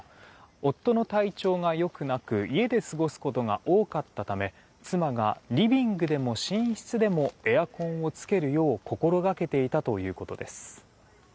夫の体調が良くなく家で過ごすことが多かったため妻がリビングでも寝室でもエアコンをつけるよう心がけていたということです。